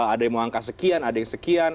ada yang mau angka sekian ada yang sekian